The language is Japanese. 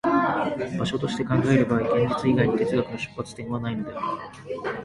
場所として考える場合、現実以外に哲学の出発点はないのである。